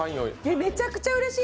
めちゃくちゃうれしい。